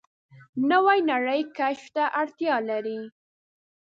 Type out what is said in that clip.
نوې نړۍ کشف ته اړتیا لري